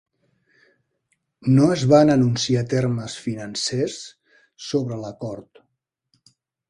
No es van anunciar termes financers sobre l"acord.